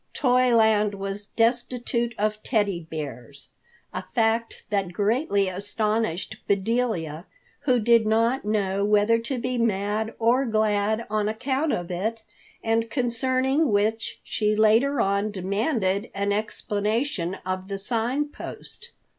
Toyland was destitute of Teddy Bears, a fact that greatly astonished Bedelia, who did not know whether to be mad or glad on account of it, and concerning which she later on demanded an explanation of the Sign Post.